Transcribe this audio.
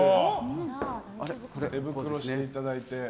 手袋していただいて。